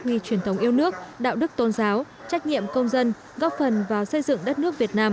nghi truyền thống yêu nước đạo đức tôn giáo trách nhiệm công dân góp phần vào xây dựng đất nước việt nam